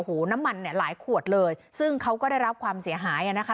โอ้โหน้ำมันเนี่ยหลายขวดเลยซึ่งเขาก็ได้รับความเสียหายอ่ะนะคะ